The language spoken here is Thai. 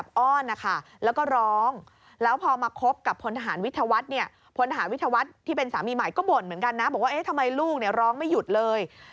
บอกว่าเอ๊ะทำไมลูกเนี่ยร้องไม่หยุดเลย